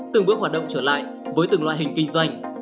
từng bước hoạt động trở lại với từng loại hình kinh doanh